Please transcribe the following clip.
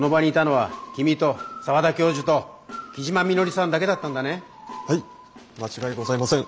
はい間違いございません。